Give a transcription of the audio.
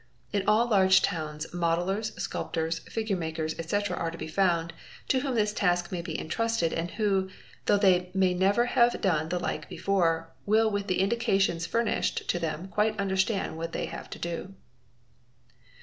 In all large towns modellers, sculptors, figure makeyrs, etc., are to be found, to whom this task may be entrusted and who, though they may never have done the like before, will with the indications fur nished to them quite understand what they have to do.